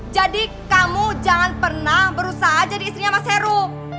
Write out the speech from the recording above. jadi kamu jangan pernah berusaha jadi istrinya mas heru